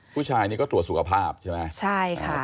ผู้ชายนี่ก็ตรวจสุขภาพใช่ไหมใช่ค่ะ